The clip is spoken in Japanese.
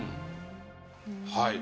はい。